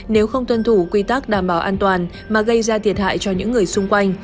nếu không tuân thủ quy tắc đảm bảo an toàn mà gây ra thiệt hại cho những người xung quanh